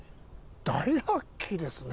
大ラッキーですね！